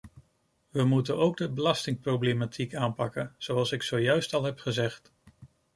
We moeten ook de belastingproblematiek aanpakken, zoals ik zojuist al heb gezegd.